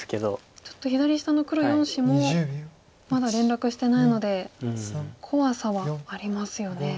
ちょっと左下の黒４子もまだ連絡してないので怖さはありますよね。